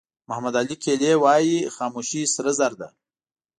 محمد علي کلي وایي خاموشي سره زر ده.